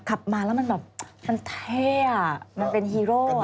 ขับมาแล้วมันแบบมันเท่อ่ะมันเป็นฮีโร่